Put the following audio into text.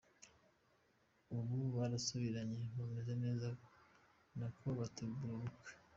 ubu barasubiranye bameze neza ari nako bategura ubukwe.